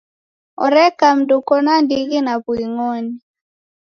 Oreka mndu uko na ndighi na w'uing'oni.